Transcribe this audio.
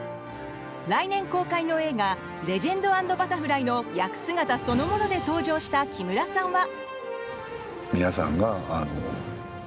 来年公開の映画「レジェンド＆バタフライ」の役姿そのもので登場した木村さんは。